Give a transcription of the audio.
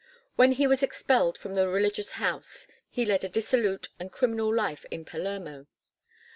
When he was expelled from the religious house he led a dissolute and criminal life in Palermo.